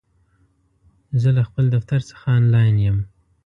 زه له خپل دفتر څخه آنلاین یم!